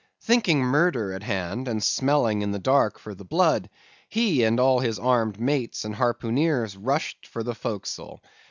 "Thinking murder at hand, and smelling in the dark for the blood, he and all his armed mates and harpooneers rushed for the forecastle.